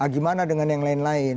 gimana dengan yang lain lain